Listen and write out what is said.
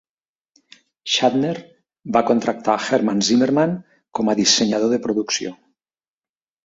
Shatner va contractar Herman Zimmerman com a dissenyador de producció.